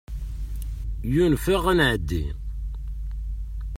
Yunef-aɣ ad nɛeddi.